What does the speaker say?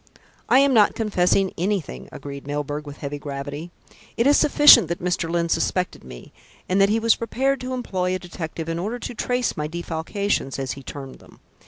"I am not confessing anything," agreed Mr. Milburgh with heavy gravity. "It is sufficient that Mr. Lyne suspected me, and that he was prepared to employ a detective in order to trace my defalcations, as he termed them.